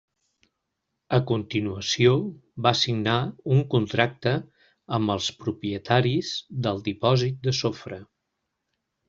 A continuació va signar un contracte amb els propietaris del dipòsit de sofre.